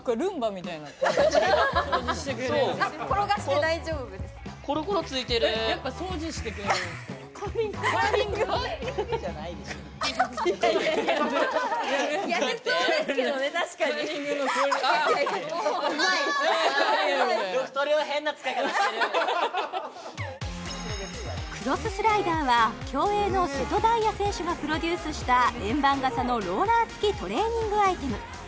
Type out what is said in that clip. みたいなロフトレを変な使い方してるクロススライダーは競泳の瀬戸大也選手がプロデュースした円盤型のローラー付きトレーニングアイテム